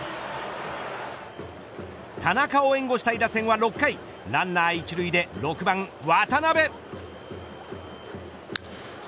田中を援護したい打線は６回ランナー１塁で、６番渡辺。